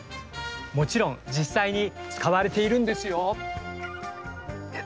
もちろん実際に使われているんですよ。